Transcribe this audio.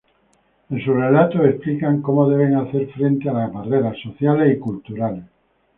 En sus relatos explican como deben hacer frente a las barreras sociales y culturales.